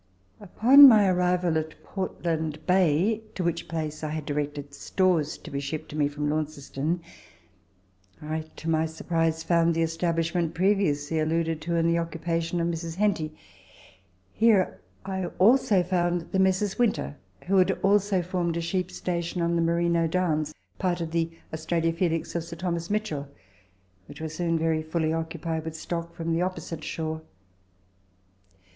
Letters from Victorian Pioneers. 103 Upon my arrival at Portland Bay, to which place I had directed stores to be shipped to me from Launceston, I, to my surprise, found the establishment previously alluded to, in the occupation of Messrs. Henty. Here I also found the Messrs. Winter, who had also formed a sheep station on the Merino Downs, part of the Australia Felix of Sir T. Mitchell, which was very soon fully occupied with stock from the opposite shore.